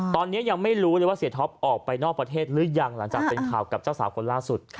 ตอนนี้ยังไม่รู้เลยว่าเสียท็อปออกไปนอกประเทศหรือยังหลังจากเป็นข่าวกับเจ้าสาวคนล่าสุด